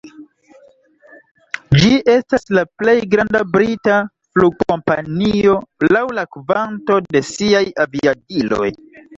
Ĝi estas la plej granda brita flugkompanio laŭ la kvanto de siaj aviadiloj.